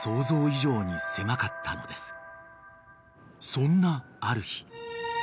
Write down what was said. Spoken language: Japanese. ［そんなある日］